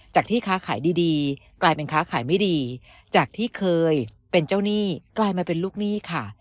ที่ค้าขายดีกลายเป็นค้าขายไม่ดีจากที่เคยเป็นเจ้าหนี้กลายมาเป็นลูกหนี้ค่ะ